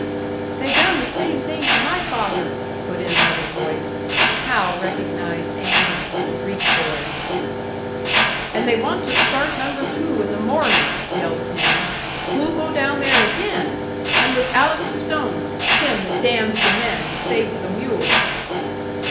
"They done the same thing to my father!" put in another voice. Hal recognised Andy, the Greek boy. "And they want to start Number Two in the mornin'!" yelled Tim. "Who'll go down there again? And with Alec Stone, him that damns the men and saves the mules!"